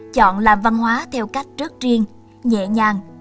chọn làm văn hóa theo cách rất riêng nhẹ nhàng